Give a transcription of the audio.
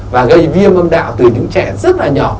và gây viêm âm đạo từ những trẻ rất là nhỏ